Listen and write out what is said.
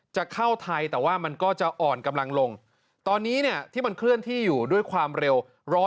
จะเข้าไทยแต่ว่ามันก็จะอ่อนกำลังลงตอนนี้ที่มันเคลื่อนที่อยู่ด้วยความเร็ว